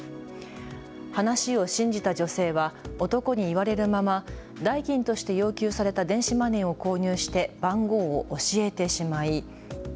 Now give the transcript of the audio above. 話を信じた女性は男に言われるまま代金として要求された電子マネーを購入して番号を教えてしまい。